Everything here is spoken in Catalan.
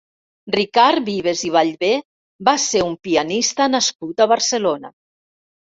Ricard Vives i Ballvé va ser un pianista nascut a Barcelona.